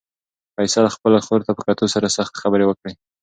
فیصل خپلې خور ته په کتو سره سختې خبرې وکړې.